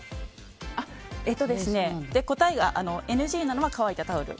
ＮＧなのは乾いたタオル。